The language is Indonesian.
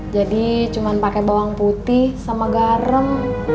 jadi cuman pake bawang putih sama garam